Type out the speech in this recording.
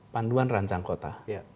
panduan rancang kota